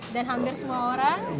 dan hampir semua orang